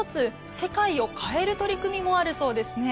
世界を変える取り組みもあるそうですね。